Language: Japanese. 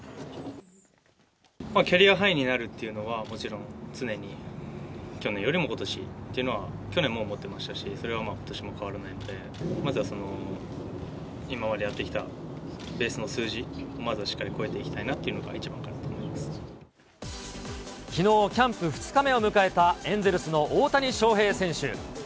キャリアハイになるっていうのはもちろん、常に去年よりもことしというのは、去年も思ってましたし、それはことしも変わらないので、まずは今までやってきたベースの数字をまずはしっかり超えていきたいなというのが一番かなと思いきのう、キャンプ２日目を迎えたエンゼルスの大谷翔平選手。